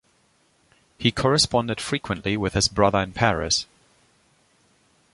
He corresponded frequently with his brother in Paris.